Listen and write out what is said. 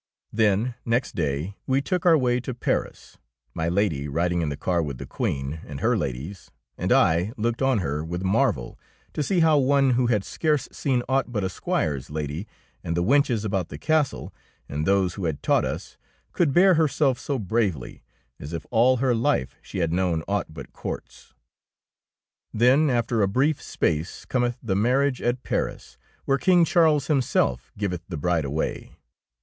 Then next day we took our way to Paris, my Lady riding in the car with the Queen and her ladies, and I looked on her with marvel to see how one who had scarce seen aught but a squire's lady and the wenches about the castle, and those who had taught us, could bear herself so bravely, as if all her life she had known aught but courts. Then after a brief space cometh the marriage at Paris, where King Charles himself giveth the bride away.